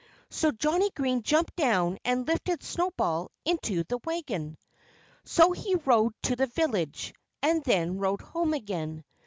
So Johnnie Green jumped down and lifted Snowball into the wagon. So he rode to the village; and then rode home again.